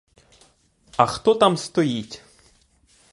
А хто там стоїть?